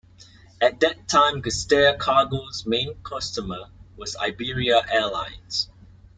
At that time Gestair Cargo's main customer was Iberia Airlines.